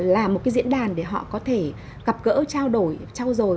làm một diễn đàn để họ có thể gặp gỡ trao đổi trao dồi